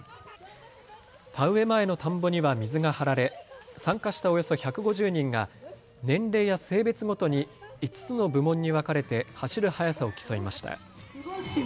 田植え前の田んぼには水が張られ参加したおよそ１５０人が年齢や性別ごとに５つの部門に分かれて走る速さを競いました。